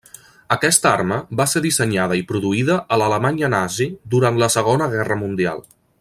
Aquesta arma va ser dissenyada i produïda a l'Alemanya nazi durant la Segona Guerra Mundial.